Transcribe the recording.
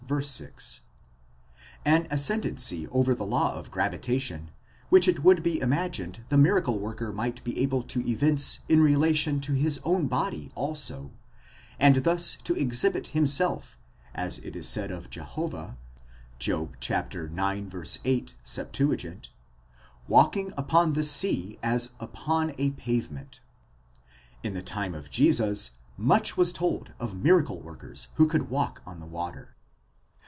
6) ; an ascendancy over the law of gravitation which it would be imagined the miracle worker might be able to evince in relation to his own body also, and thus to exhibit himself, as it is said of Jehovah, Job ix. 8, LXX., περιπατῶν ὡς ἐπ᾽ ἐδάφους ἐπὶ θαλάσσης, walking upon the sea as upon a pavement. In the time of Jesus much was told of miracle workers who could walk on the water.